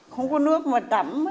không có nước mà tắm